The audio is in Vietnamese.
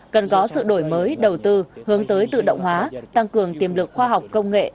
cần có sự đổi mới đầu tư hướng tới tự động hóa tăng cường tiềm lực khoa học công nghệ